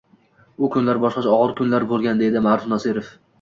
U kunlar boshqacha og‘ir kunlar bo‘lgan, — deydi Ma’ruf Nosirov